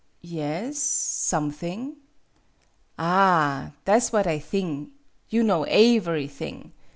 " "Yes, something." "Ah! tha' 's what I thing. You know aeverylhing.